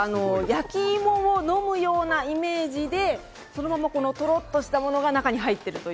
焼き芋を飲むようなイメージでそのままとろっとしたものが中に入っている。